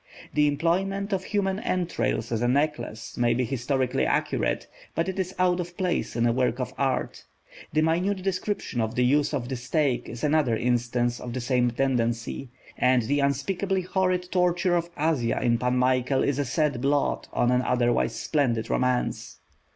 The employment of human entrails as a necklace may be historically accurate, but it is out of place in a work of art. The minute description of the use of the stake is another instance of the same tendency, and the unspeakably horrid torture of Azya in Pan Michael is a sad blot on an otherwise splendid romance.